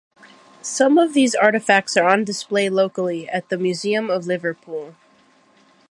Some of these artefacts are on display locally, at the Museum of Liverpool.